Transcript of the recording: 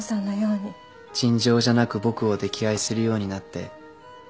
尋常じゃなく僕を溺愛するようになって同時に。